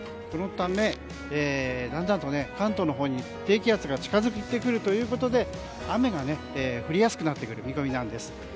そのため、だんだんと関東のほうに低気圧が近づいてくるということで雨が降りやすくなってくる見込みです。